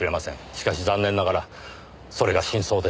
しかし残念ながらそれが真相です。